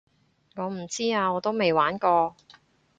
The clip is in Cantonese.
我唔知啊我都未玩過